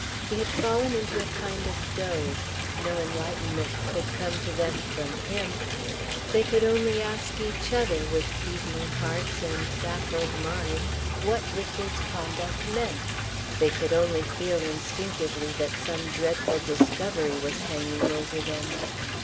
He had fallen into a kind of doze; no enlightenment could come to them from him. They could only ask each other, with beating hearts and baffled minds, what Richard's conduct meant they could only feel instinctively that some dreadful discovery was hanging over them.